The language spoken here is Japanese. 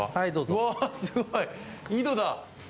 うわすごい井戸だ！